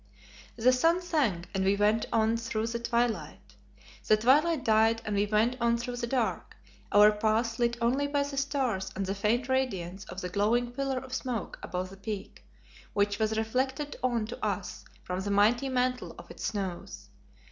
The sun sank and we went on through the twilight. The twilight died and we went on through the dark, our path lit only by the stars and the faint radiance of the glowing pillar of smoke above the Peak, which was reflected on to us from the mighty mantle of its snows.